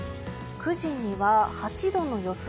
９時には、８度の予想。